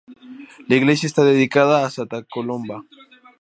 La iglesia está dedicada a santa Colomba.